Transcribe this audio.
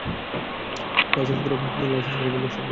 Licence করা বন্দুক সবগুলোই।